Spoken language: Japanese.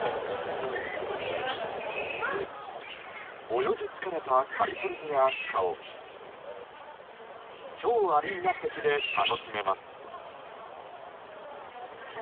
泳ぎ疲れたカリフォルニアアシカを超アリーナ席で楽しめます。